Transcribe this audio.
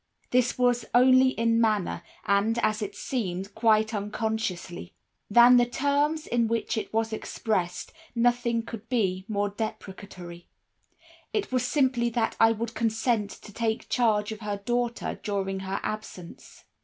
This was only in manner, and, as it seemed, quite unconsciously. Than the terms in which it was expressed, nothing could be more deprecatory. It was simply that I would consent to take charge of her daughter during her absence.